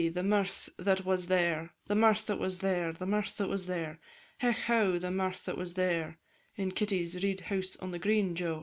the mirth that was there, The mirth that was there, The mirth that was there; Hech, how! the mirth that was there, In Kitty Reid's house on the green, Jo!